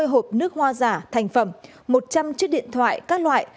ba trăm tám mươi hộp nước hoa giả thành phẩm một trăm linh chiếc điện thoại các loại